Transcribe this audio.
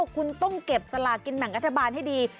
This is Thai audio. คุณต้องเก็บสลากินแบ่งรัฐบาลให้ดี